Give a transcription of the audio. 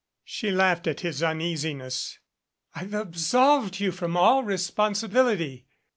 She laughed at his uneasiness. "I've absolved you from all responsibility.